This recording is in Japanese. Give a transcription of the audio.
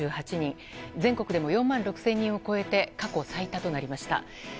全国でも４万６０００人を超えて過去最多となりました。